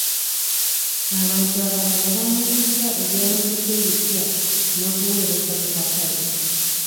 Abantu abalala baanirizza eby'amaguzi ebipya n'obuweereza ku katale.